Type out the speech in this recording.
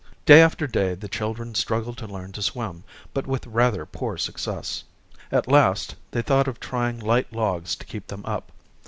Day after day, the children struggled to learn to swim, but with rather poor success. At last, they thought of trying light logs to keep them up.